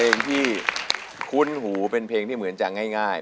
เพลงที่คุ้นหูเป็นเพลงที่เหมือนจะง่าย